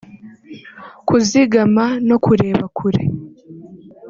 kuzigama no kureba kure